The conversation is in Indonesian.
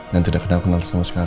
dan tidak pernah kenal sama sekali